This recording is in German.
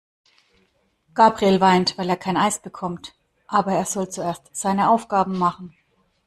Gabriel weint, weil er kein Eis bekommt. Aber er soll zuerst seine Aufgaben machen.